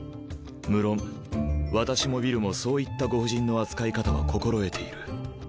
無論私もウィルもそういったご婦人の扱い方は心得ている。